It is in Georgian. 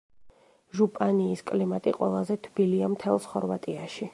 ჟუპანიის კლიმატი ყველაზე თბილია მთელს ხორვატიაში.